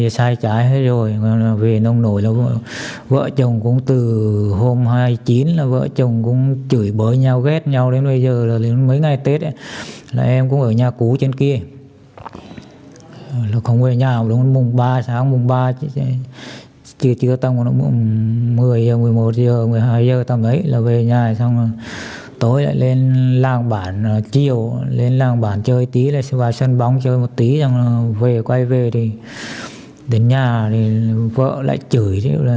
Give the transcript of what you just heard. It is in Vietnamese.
chiều lên làng bản chơi tí vào sân bóng chơi một tí về quay về đến nhà vợ lại chửi